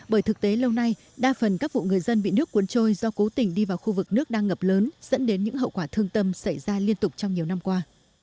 bởi thực tế lâu nay đa phần các vụ người dân bị nước cuốn trôi do cố tình đi vào khu vực nước đang ngập lớn dẫn đến những hậu quả thương tâm xảy ra liên tục trong nhiều năm qua